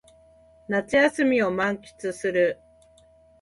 夏休みを満喫する